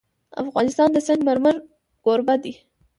افغانستان د سنگ مرمر کوربه دی.